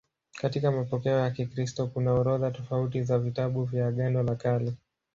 Katika mapokeo ya Kikristo kuna orodha tofauti za vitabu vya Agano la Kale.